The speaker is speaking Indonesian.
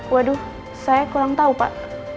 waduh saya kurang tahu pak